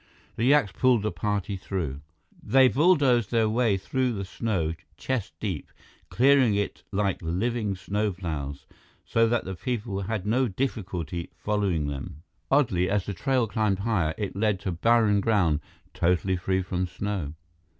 The yaks pulled the party through. They bulldozed their way through the snow, chest deep, clearing it like living snowplows, so that the people had no difficulty following them. Oddly, as the trail climbed higher, it led to barren ground, totally free from snow.